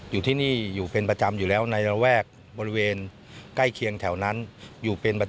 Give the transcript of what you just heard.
อยู่ที่นี่อยู่เป็นประจำอยู่แล้วในระแวกบริเวณใกล้เคียงแถวนั้น